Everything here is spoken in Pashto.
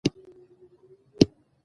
د واک چلند باور اغېزمنوي